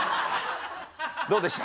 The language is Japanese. どうでした？